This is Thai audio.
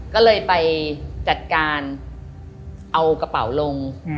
ก็เลยไปจัดการเอากระเป๋าลง